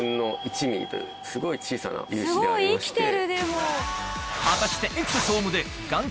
すごい小さな粒子でありまして。